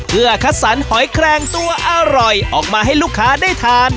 เพื่อคัดสรรหอยแคลงตัวอร่อยออกมาให้ลูกค้าได้ทาน